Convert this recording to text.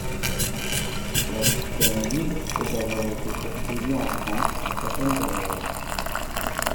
La psychanalyse peut avoir été poursuivie en France, à certaines périodes.